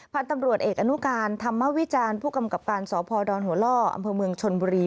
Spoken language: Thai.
พันธุ์ตำรวจเอกอนุการธรรมวิจารณ์ผู้กำกับการสพดหัวล่ออำเภอเมืองชนบุรี